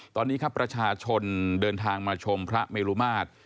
ตอนนี้ครับประชาชนเดินทางมาชมพระเมลุมาตร